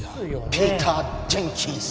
ピーター・ジェンキンス